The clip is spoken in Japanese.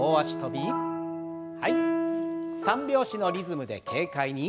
３拍子のリズムで軽快に。